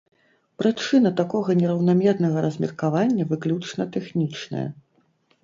Прычына такога нераўнамернага размеркавання выключна тэхнічная.